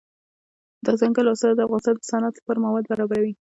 دځنګل حاصلات د افغانستان د صنعت لپاره مواد برابروي.